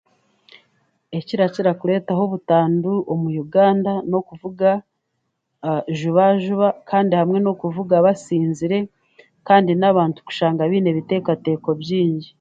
Ekirakira kureetaho butandu omu uganda n'okuvuga jubajuba kandi hamwe n'okuvuga basinzire kandi n'abantu okushanga baine ebiteekateeko baingi